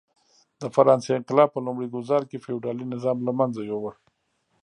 د فرانسې انقلاب په لومړي ګوزار کې فیوډالي نظام له منځه یووړ.